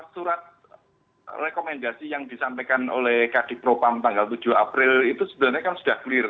surat rekomendasi yang disampaikan oleh kadipropam tanggal tujuh april itu sebenarnya kan sudah clear